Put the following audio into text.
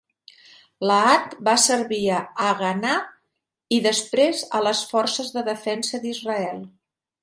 Lahat va servir a l'Haganah i després a les Forces de Defensa d'Israel.